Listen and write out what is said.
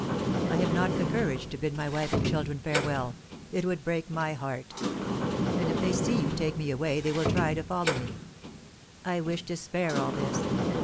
I have not the courage to bid my wife and children farewell; it would break my heart! And if they see you take me away, they will try to follow me. I wish to spare all this.